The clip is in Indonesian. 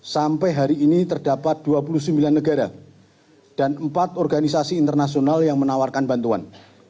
sampai hari ini terdapat dua puluh sembilan negara dan empat organisasi internasional yang menawarkan bantuan